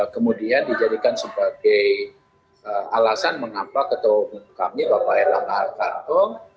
kemudian dijadikan sebagai alasan mengapa ketua umum kami bapak erlang al karong